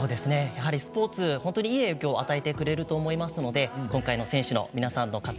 スポーツはいい影響を与えてくれると思いますので今回の選手の皆さんの活躍